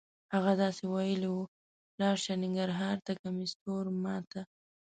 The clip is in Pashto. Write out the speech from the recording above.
هغه داسې ویلې وه: لاړ شه ننګرهار ته کمیس تور ما ته.